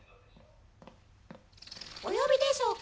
・お呼びでしょうか？